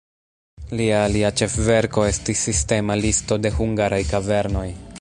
Lia alia ĉefverko estis sistema listo de hungaraj kavernoj.